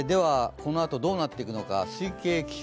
このあとどうなっていくのか推計気象。